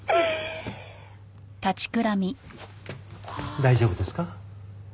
大丈夫ですか？